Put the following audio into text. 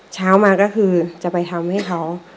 เช้ามาก็คือจะไปทำให้เขา